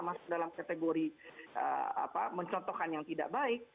masuk dalam kategori mencontohkan yang tidak baik